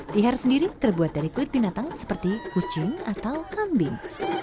tihar sendiri terbuat dari kulit binatang seperti kucing atau kambing